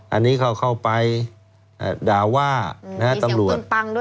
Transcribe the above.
อันนี้เขาเข้าไปด่าว่ามีเสียงพลปังด้วยนะครับ